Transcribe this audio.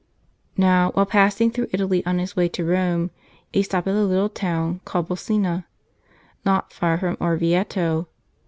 Now, while passing through Italy on his way to Rome, he stopped at a little town called Bolsena, not far from Orvieto.